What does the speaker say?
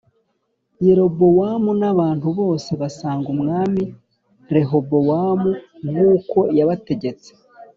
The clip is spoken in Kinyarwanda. Yerobowamu n’abantu bose basanga Umwami Rehobowamu nk’uko yabategetse